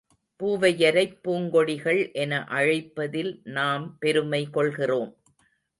பூவையரைப் பூங்கொடிகள் என அழைப்பதில் நாம் பெருமை கொள்கிறோம்.